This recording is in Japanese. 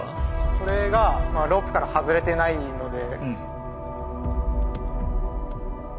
これがロープから外れてないので。